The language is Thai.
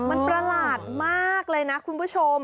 มันประหลาดมากเลยนะคุณผู้ชม